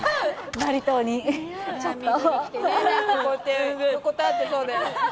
バリ島にちょっとこうやって横たわってそうだよね